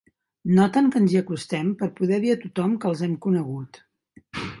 Noten que ens hi acostem per poder dir a tothom que els hem conegut.